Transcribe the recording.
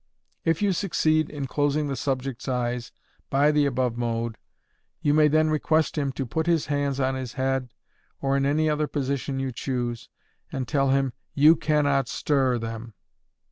If you succeed in closing the subject's eyes by the above mode, you may then request him to put his hands on his head, or in any other position you choose, and tell him, you can not stir them!